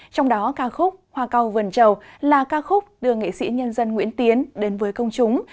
trong đó ca khúc hoa cao vần trầu là ca khúc đưa nghị sĩ nhân dân nguyễn tiến đến với công chúng